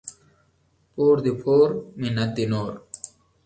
پور دي پور ، منت دي نور.